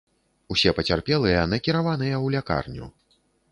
Усе пацярпелыя накіраваныя ў лякарню.